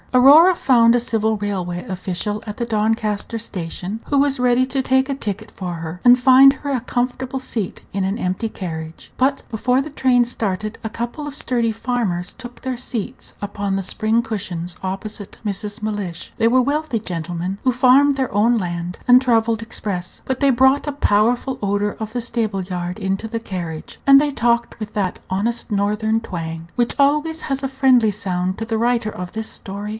Aurora found a civil railway official at the Doncaster station, who was ready to take a ticket for her, and find her a comfortable seat in an empty carriage; but before the train started a couple of sturdy farmers took their seats upon the spring cushions opposite Mrs. Mellish. They were wealthy gentlemen, who farmed their own land, and travelled express; but they brought a powerful odor of the stable yard into the carriage, and they talked with that honest Northern twang which always has a friendly sound to the writer of this story.